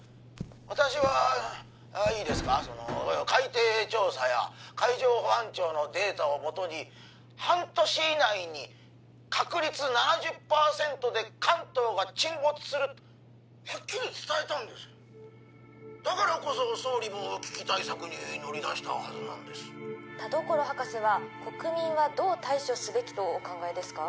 私はああいいですかその海底調査や海上保安庁のデータを基に半年以内に確率７０パーセントで関東が沈没するとはっきり伝えたんですだからこそ総理も危機対策に乗り出したはずなんです田所博士は国民はどう対処すべきとお考えですか？